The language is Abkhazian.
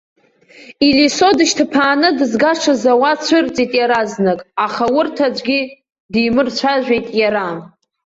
Елисо дышьҭԥааны дызгашаз ауаа цәырҵит иаразнак, аха урҭ аӡәгьы димырцәажәеит иара.